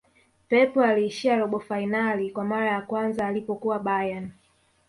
pep aliishia robo fainali kwa mara ya kwanza alipokuwa bayern